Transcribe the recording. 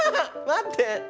待って！